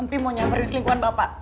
empi mau nyamperin selingkuhan bapak